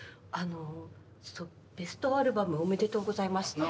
あのベストアルバムおめでとうございます。